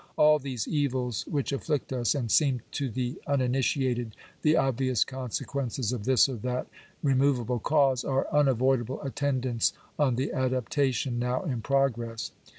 All these evils, which afflict us, and seem I to the uninitiated the obvious consequences of this or that re movable cause, are unavoidable attendants on the adaptation now in progress.